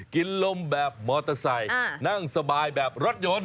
กินลมแบบมอเตอร์ไซค์นั่งสบายแบบรถยนต์